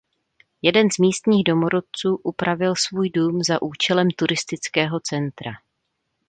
Jeden z místních domorodců upravil svůj dům za účelem turistického centra.